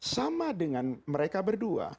sama dengan mereka berdua